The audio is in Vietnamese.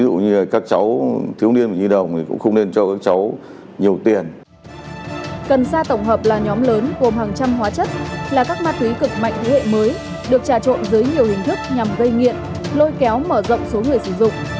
được trà trộn dưới nhiều hình thức nhằm gây nghiện lôi kéo mở rộng số người sử dụng